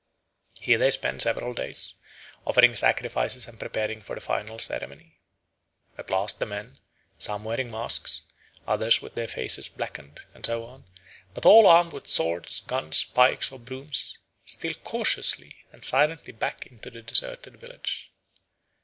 Here they spend several days, offering sacrifices and preparing for the final ceremony. At last the men, some wearing masks, others with their faces blackened, and so on, but all armed with swords, guns, pikes, or brooms, steal cautiously and silently back to the deserted village.